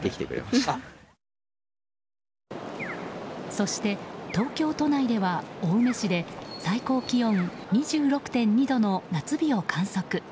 そして東京都内では青梅市で最高気温２６．２度の夏日を観測。